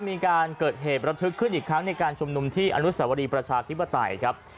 มีการเกิดเหตุระทึกขึ้นอีกครั้งในการชุมนุมที่อนุสวรีประชาธิปไตยครับ